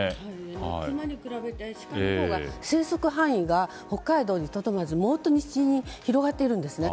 クマに比べてシカのほうが生息範囲が、北海道にとどまらずもっと西にも広がっていくんですね。